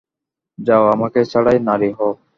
যাও, আমাকে ছাড়াই নারী হও।